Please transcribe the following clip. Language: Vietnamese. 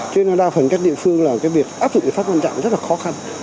cho nên là đa phần các địa phương là cái việc áp dụng hình pháp quan trọng rất là khó khăn